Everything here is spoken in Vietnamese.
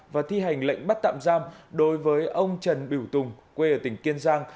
và thi hành lệnh bắt tạm giam đối với ông trần biểu tùng quê ở tỉnh kiên giang